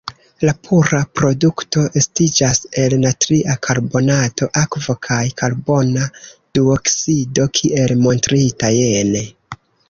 La pura produkto estiĝas el natria karbonato, akvo kaj karbona duoksido kiel montrita jene.